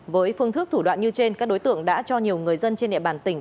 với phương thức thủ đoạn như trên các đối tượng đã cho nhiều người dân trên địa bàn tỉnh